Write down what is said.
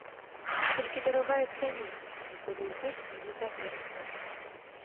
Толькі дарагая пляменніца ніколі ў госці не загляне да нас.